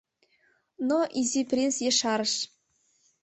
Но Изи принц ешарыш: